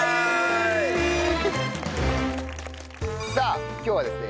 さあ今日はですね